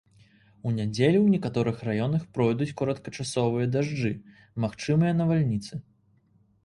У нядзелю ў некаторых раёнах пройдуць кароткачасовыя дажджы, магчымыя навальніцы.